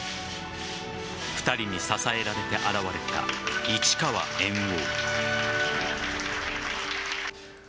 ２人に支えられて現れた市川猿翁。